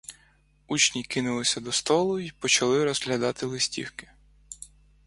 Учні кинулися до столу й почали розглядати листівки.